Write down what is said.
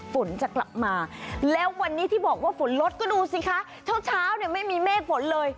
ฝนจะกลับมาแล้ววันนี้ที่บอกว่าฝนลดก็ดูสิคะเช้าเนี่ยไม่มีเมฆฝนเลย